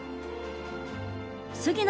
杉野